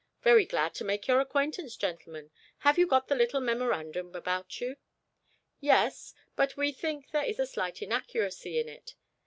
Very glad to make your acquaintance, gentlemen. Have you got the little memorandum about you?" "Yes; but we think there is a slight inaccuracy in it.